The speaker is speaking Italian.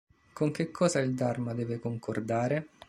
Con che cosa il "Dharma" deve concordare?